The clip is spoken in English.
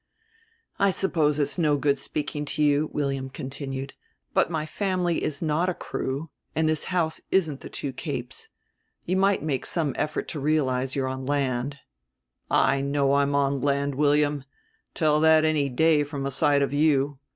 "I suppose it's no good speaking to you," William continued; "but my family is not a crew and this house isn't the Two Capes. You might make some effort to realize you're on land." "I know I'm on land, William; tell that any day from a sight of you.